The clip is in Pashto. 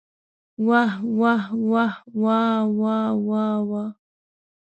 واه واه واه واوا واوا.